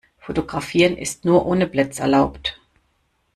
Fotografieren ist nur ohne Blitz erlaubt.